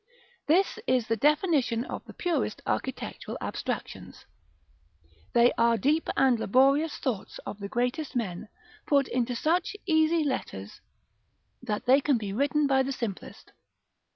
This is the definition of the purest architectural abstractions. They are the deep and laborious thoughts of the greatest men, put into such easy letters that they can be written by the simplest.